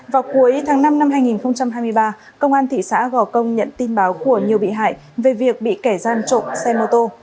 vào cuối tháng năm năm hai nghìn hai mươi ba công an thị xã gò công nhận tin báo của nhiều bị hại về việc bị kẻ gian trộm xe mô tô